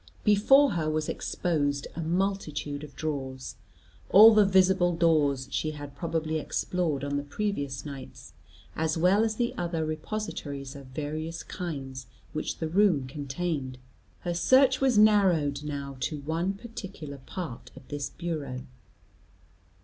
Before her was exposed a multitude of drawers. All the visible doors she had probably explored on the previous nights, as well as the other repositories of various kinds which the room contained. Her search was narrowed now to one particular part of this bureau.